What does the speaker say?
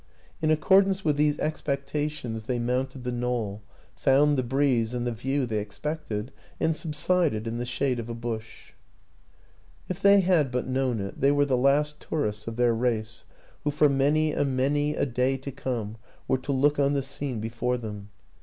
In accordance with these expectations they mounted the knoll, found the breeze and the view they expected, and subsided in the shade of a bush. If they had but known it, they were the last tourists of their race who for many and many a day to come were to look on the scene before them.